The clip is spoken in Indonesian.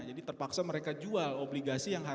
jadi terpaksa mereka jual obligasi yang hadir